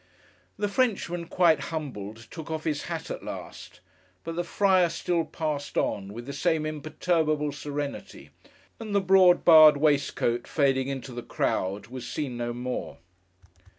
The Frenchman, quite humbled, took off his hat at last, but the Friar still passed on, with the same imperturbable serenity; and the broad barred waistcoat, fading into the crowd, was seen no more.